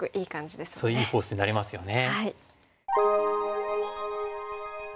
いいフォースになりますよね。